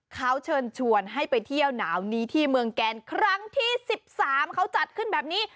เขาเชิญชวนให้ไปเที่ยวหนาวนี้ที่เมืองแกนครั้งที่๑๓เขาจัดขึ้นแบบนี้